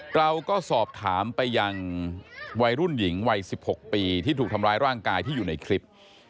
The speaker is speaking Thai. เราก็สอบถามไปยังวัยรุ่นหญิงวัย๑๖ปีที่ถูกทำร้ายร่างกายที่อยู่ในคลิป